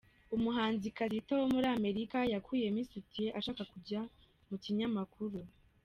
Umuhanzikazi Rita Womuri America yakuyemo isutiye ashaka kujya mu kinyamakuru